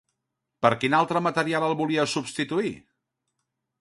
Per quin altre material el volia substituir?